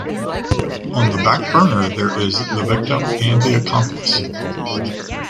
On the back burner, there is the victim and the accomplice.